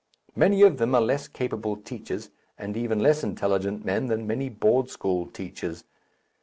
Many of them are less capable teachers and even less intelligent men than many Board School teachers.